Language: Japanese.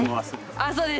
あそうです